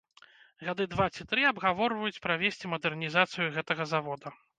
Гады два ці тры абгаворваюць правесці мадэрнізацыю гэтага завода.